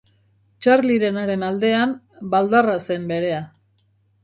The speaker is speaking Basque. Charlierenaren aldean, baldarra zen berea.